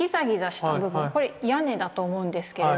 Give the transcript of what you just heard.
これ屋根だと思うんですけれども。